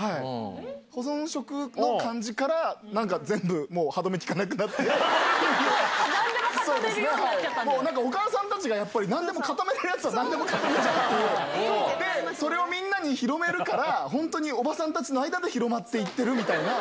保存食の感じから、なんか全なんでも固めるようになっちなんか、お母さんたちがやっぱりなんでも固められるやつはなんでも固めちゃう、で、それをみんなに広めるから、本当におばさんたちの間で広まっていってるみたいな。